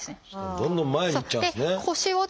どんどん前にいっちゃうんですね。